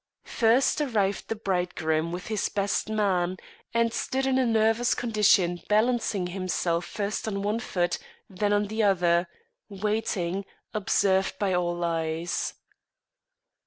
First arrived the bridegroom with his best man, and stood in a nervous condition balancing himself first on one foot, then on the other, waiting, observed by all eyes.